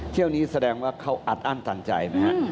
เที่ยวนี้แสดงว่าเขาอัดอั้นต่างใจ